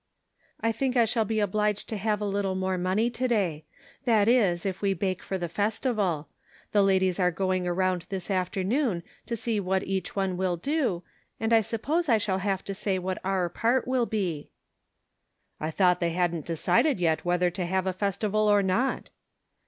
" I think I shall be obliged to have a little more money to day ; that is, if we bake for the festival. The ladies are going around this afternoon to see what each one will do, and I suppose I shall have to say what our part will be." " I thought they hadn't decided yet whether to have a festival or not."